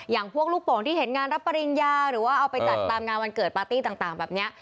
อย่างพวกลูกโป่งที่เห็นงานรับปริญญาหรือว่าเอาไปจัดตามงานวันเกิดปาร์ตี้ต่างแบบนี้